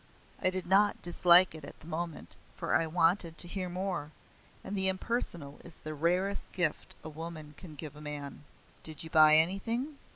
I did not dislike it at the moment, for I wanted to hear more, and the impersonal is the rarest gift a woman can give a man. "Did you buy anything?"